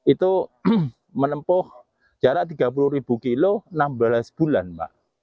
itu menempuh jarak tiga puluh kilo enam belas bulan mbak